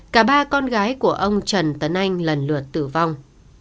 cả ba con gái của ông trần tấn anh lần lượt tử vong